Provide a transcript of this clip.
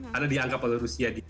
karena dianggap oleh rusia